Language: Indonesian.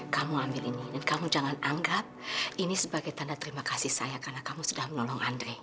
kamu ambil ini dan kamu jangan anggap ini sebagai tanda terima kasih saya karena kamu sudah menolong andre